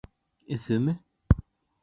Өфөмө?